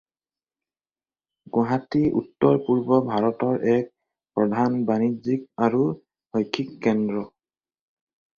গুৱাহাটী উত্তৰ-পূব ভাৰতৰ এক প্ৰধান বাণিজ্যিক আৰু শৈক্ষিক কেন্দ্ৰ।